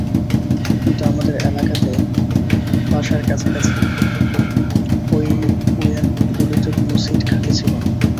কিন্তু আমাদের এলাকাতে বাসার কাছাকাছি হইকুয়েনগুলোতে কোনো সিট খালি ছিল না।